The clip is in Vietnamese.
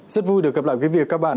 rất vui được gặp lại quý vị các bạn